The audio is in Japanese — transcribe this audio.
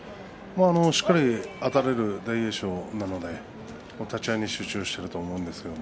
しっかりあたれる大栄翔なので立ち合いに集中していると思うんですけれど。